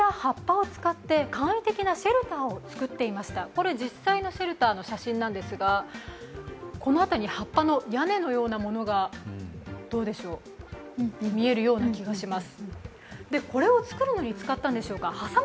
これは実際のシェルターの写真なんですがこの辺りに葉っぱの屋根のようなものが見えるような気がします。